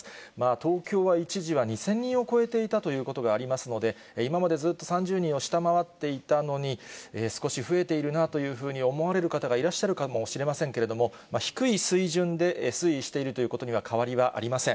東京は一時は２０００人を超えていたということがありますので、今までずっと３０人を下回っていたのに、少し増えているなというふうに思われる方がいらっしゃるかもしれませんけれども、低い水準で推移しているということには変わりはありません。